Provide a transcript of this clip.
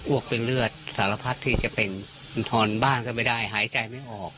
วกเป็นเลือดสารพัดที่จะเป็นทอนบ้านก็ไม่ได้หายใจไม่ออก